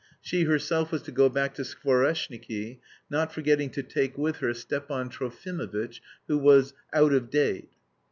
She herself was to go back to Skvoreshniki, not forgetting to take with her Stepan Trofimovitch, who was "out of date."